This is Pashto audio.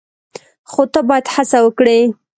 خو ته باید هڅه وکړې !